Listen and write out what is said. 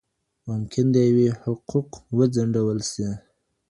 ممکن د يوې حقوق وځنډول سي.